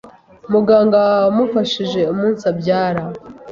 Muganga wamufashije umunsibyara